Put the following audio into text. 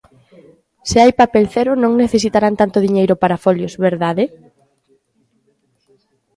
Se hai papel cero, non necesitarán tanto diñeiro para folios, ¿verdade?